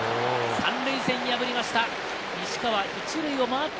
３塁線を破りました。